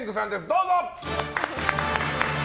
どうぞ！